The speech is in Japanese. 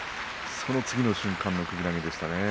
その次の瞬間の首投げでした。